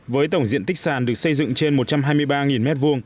với tổng diện tích sàn được xây dựng trên một trăm hai mươi ba m hai